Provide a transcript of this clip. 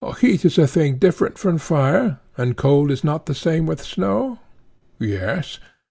Heat is a thing different from fire, and cold is not the same with snow? Yes.